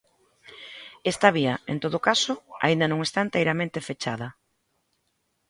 Esta vía, en todo caso, aínda non está enteiramente fechada.